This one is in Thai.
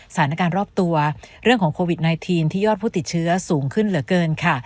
สถานการณ์รอบตัวเรื่องของโควิด๑๙ที่ยอดผู้ติดเชื้อสูงขึ้นเหลือเกินค่ะ